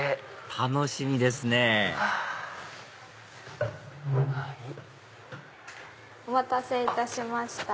楽しみですねお待たせいたしました